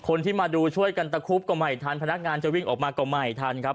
คนที่มาดูช่วยกันตะคุบก็ไม่ทันพนักงานจะวิ่งออกมาก็ไม่ทันครับ